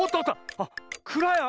あっくらやん？